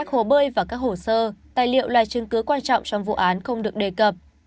hồ bơi và các hồ sơ tài liệu là chứng cứ quan trọng trong vụ án không được đề cập